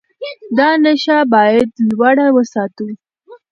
دا نښه باید لوړه وساتو.